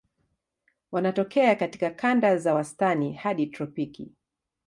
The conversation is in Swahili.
Wanatokea katika kanda za wastani hadi tropiki.